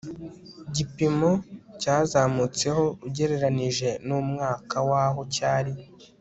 gipimo cyazamutseho ugereranije n umwaka wa aho cyari